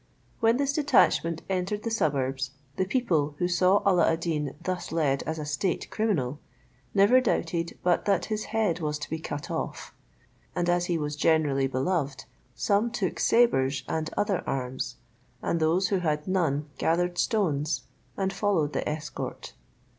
When this detachment entered the suburbs, the people, who saw Alla ad Deen thus led as a state criminal, never doubted but that his head was to be cut off; and as he was generally beloved, some took sabres and other arms; and those who had none gathered stones, and followed the escort.